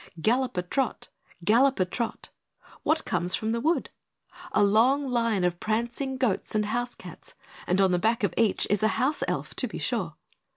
Gallop a trot! Gallop a trot! What comes from the wood? A long line of prancing goats and house cats! And on the back of each is a House Elf, to be sure!